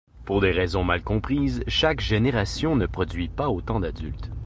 Pour des raisons mal comprises, chaque génération ne produit pas autant d'adultes.